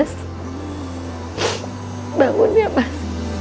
mas bangun ya mas